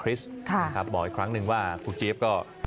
ิษบอกอีกครั้งว่าคุณเจฟก็